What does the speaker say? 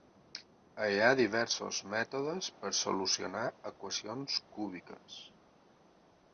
Hi ha diversos mètodes per solucionar equacions cúbiques.